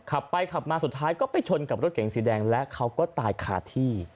ขับไปขับมาสุดท้ายก็ไปชนกับรถเก๋งสีแดงและเขาก็ตายขาดที่